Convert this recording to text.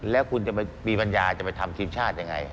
แล้วคุณจะมีปัญญาจะไปทำทีมชาติยังไง